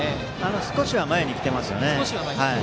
少しは前に来ていますね。